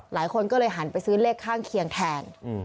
หลายคนก็เลยหันไปซื้อเลขข้างเคียงแทน